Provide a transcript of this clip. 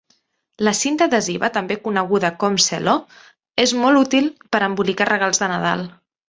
La cinta adhesiva, també coneguda com cel·lo, és molt útil per embolicar regals de Nadal.